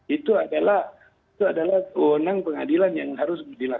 itu adalah itu adalah senang pengadilan yang harus berlaku